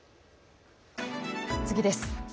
次です。